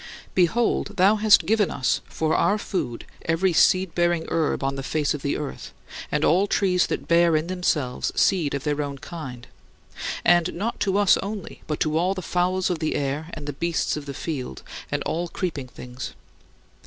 Behold, thou hast given us for our food every seed bearing herb on the face of the earth, and all trees that bear in themselves seed of their own kind; and not to us only, but to all the fowls of the air and the beasts of the field and all creeping things.